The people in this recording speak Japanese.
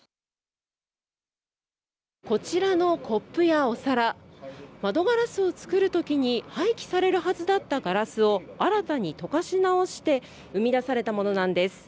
こちらの、コップやお皿窓ガラスを作るときに廃棄されるはずだったガラスを新たに溶かし直して生み出されたものなんです。